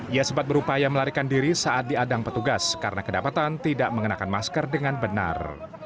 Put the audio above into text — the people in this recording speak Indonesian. ia sempat berupaya melarikan diri saat diadang petugas karena kedapatan tidak mengenakan masker dengan benar